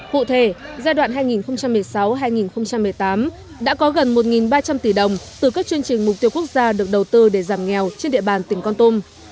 cụ thể giai đoạn hai nghìn một mươi sáu hai nghìn một mươi tám đã có gần một ba trăm linh tỷ đồng từ các chương trình mục tiêu quốc gia được đầu tư để giảm nghèo trên địa bàn tỉnh con tum